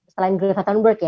selain greta thunberg ya